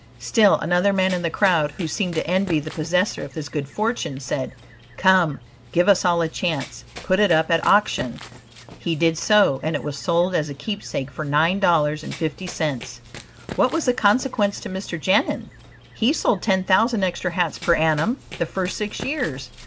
Still another man in the crowd who seemed to envy the possessor of this good fortune, said, "Come, give us all a chance; put it up at auction!" He did so, and it was sold as a keepsake for nine dollars and fifty cents! What was the consequence to Mr. Genin? He sold ten thousand extra hats per annum, the first six years.